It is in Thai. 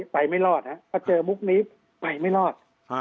ไปไม่รอดฮะพอเจอมุกนี้ไปไม่รอด